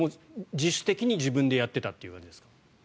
自主的に自分でやってたっていうことですか？